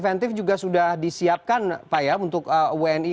nah persentif juga sudah disiapkan pak ya untuk wni